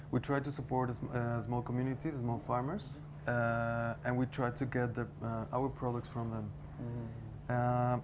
kita mencoba untuk mendukung komunitas kecil para pewarna kecil dan kita mencoba untuk mendapatkan produk kita dari mereka